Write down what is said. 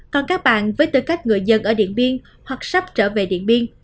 còn các bạn với tư cách người dân ở điện biên hoặc sắp trở về điện biên